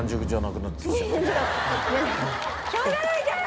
しょうがないじゃん！